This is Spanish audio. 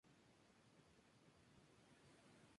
Soros a lo largo de las venas o en surcos irregulares.